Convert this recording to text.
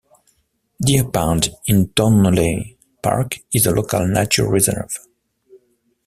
Deer Pond in Towneley Park is a Local Nature Reserve.